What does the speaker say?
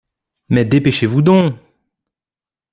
Mais dépêchez-vous donc !